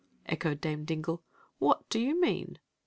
echoed Dame Dingle. " Wha« do yoy medm